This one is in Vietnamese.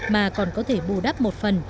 mà còn có thể bù đắp một phần